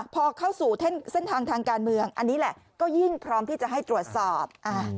พอเข้าสู่เส้นทางทางการเมืองอันนี้แหละก็ยิ่งพร้อมที่จะให้ตรวจสอบ